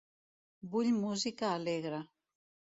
Vull música alegre.